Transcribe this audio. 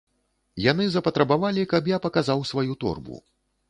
Яны запатрабавалі, каб я паказаў сваю торбу.